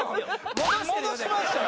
戻しましたもん！